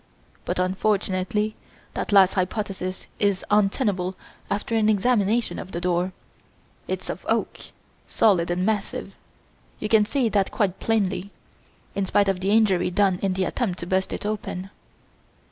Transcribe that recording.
But, unfortunately, that last hypothesis is untenable after an examination of the door it's of oak, solid and massive. You can see that quite plainly, in spite of the injury done in the attempt to burst it open."